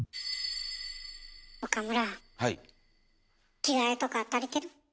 着替えとか足りてる？